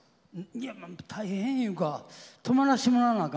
いや大変いうか泊まらしてもらわなあ